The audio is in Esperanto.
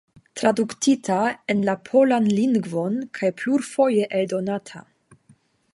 Tradukita en la polan lingvon kaj plurfoje eldonata.